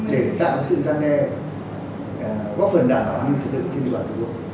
để tạo sự gian đe góp phần đảm bảo an ninh thị tượng trên đời bản thân quốc